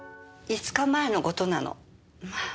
５日前の事なの。